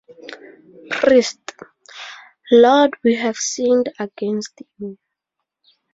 Priest: Lord, we have sinned against you: